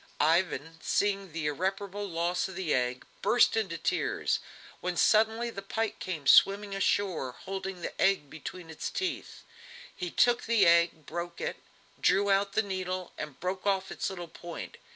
Ivan, seeing the irreparable loss of the egg, burst into tears, when suddenly the pike came swimming ashore, holding the egg between its teeth. He took the egg, broke it, drew out the needle and broke off its little point.